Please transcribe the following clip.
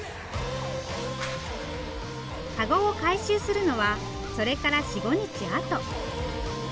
籠を回収するのはそれから４５日あと。